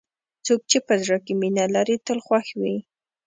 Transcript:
څوک چې په زړه کې مینه لري، تل خوښ وي.